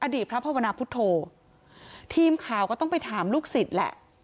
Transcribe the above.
พระภาวนาพุทธโธทีมข่าวก็ต้องไปถามลูกศิษย์แหละ